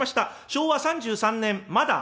昭和３３年まだ」。